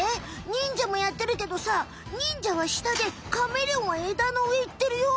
忍者もやってるけどさ忍者はしたでカメレオンは枝の上いってるよ！